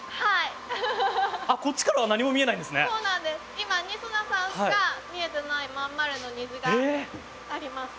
今仁科さんしか見えてない真ん丸の虹がありました。